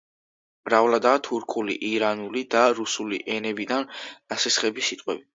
მრავლადაა თურქული, ირანული და რუსული ენებიდან ნასესხები სიტყვები.